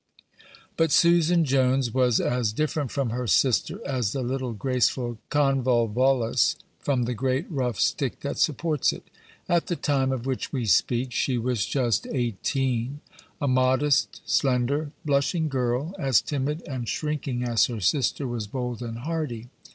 But Susan Jones was as different from her sister as the little graceful convolvulus from the great rough stick that supports it. At the time of which we speak she was just eighteen; a modest, slender, blushing girl, as timid and shrinking as her sister was bold and hardy.